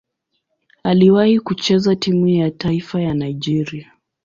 Aliwahi kucheza timu ya taifa ya Nigeria.